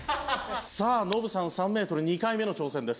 さあノブさん３メートル２回目の挑戦です。